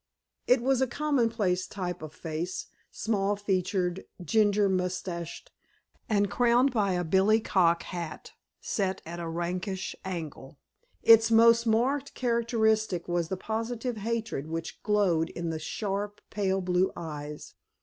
It was a commonplace type of face, small featured, ginger moustached, and crowned by a billy cock hat set at a rakish angle. Its most marked characteristic was the positive hatred which glowed in the sharp, pale blue eyes.